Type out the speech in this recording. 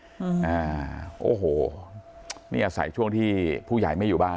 อืมอ่าโอ้โหนี่อาศัยช่วงที่ผู้ใหญ่ไม่อยู่บ้าน